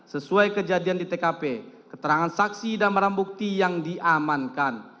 sesuai kejadian di tkp keterangan saksi dan barang bukti yang diamankan